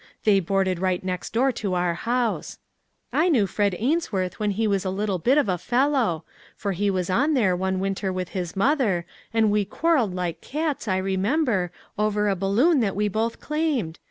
They boarded right next door to our house. I knew Fred Ainsworth when he was a little bit of a fellow ; for he was on there one winter with his mother, and we quarreled like cats, I remember, over a balloon that we both claimed.